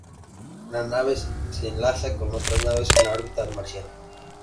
La nave se enlaza con otras naves en la órbita marciana.